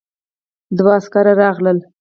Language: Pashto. دوه عسکر راغلل.